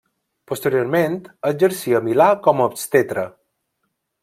Posteriorment exercí a Milà com a obstetra.